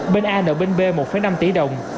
bên a nợ bên b một năm tỷ đồng